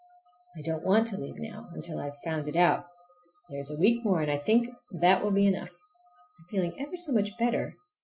I don't want to leave now until I have found it out. There is a week more, and I think that will be enough. I'm feeling ever so much better!